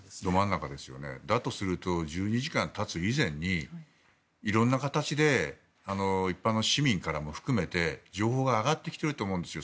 だとすると１２時間たつ以前に色んな形で一般の市民からも含めて情報が上がってきていると思うんですよ。